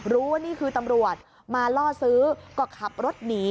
รู้ว่านี่คือตำรวจมาล่อซื้อก็ขับรถหนี